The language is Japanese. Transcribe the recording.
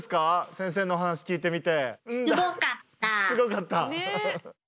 先生のお話聞いてみて。